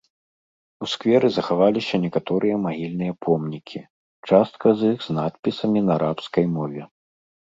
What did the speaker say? У скверы захаваліся некаторыя магільныя помнікі, частка з іх з надпісамі на арабскай мове.